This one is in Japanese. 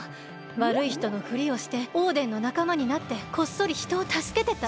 わるいひとのふりをしてオーデンのなかまになってこっそりひとをたすけてた。